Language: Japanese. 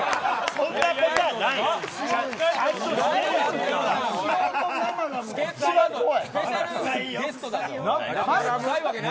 そんなことない！